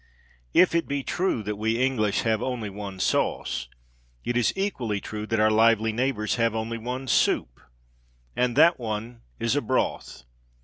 If it be true that we English have only one sauce, it is equally true that our lively neighbours have only one soup and that one is a broth.